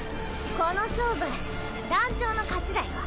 この勝負団長の勝ちだよ。